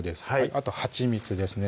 あとはちみつですね